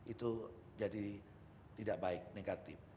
itu jadi tidak baik negatif